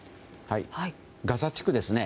ガザ地区ですね。